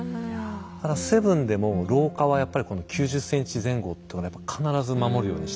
だから「７」でも廊下はやっぱりこの９０ｃｍ前後とかやっぱ必ず守るようにしてて。